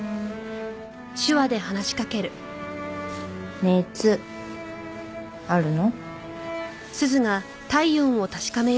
熱あるの？